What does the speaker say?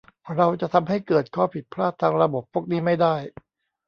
เราจะทำให้เกิดข้อผิดพลาดทางระบบพวกนี้ไม่ได้